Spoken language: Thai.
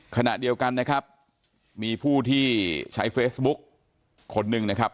ขณะเดียวกันนะครับมีผู้ที่ใช้เฟซบุ๊กคนหนึ่งนะครับ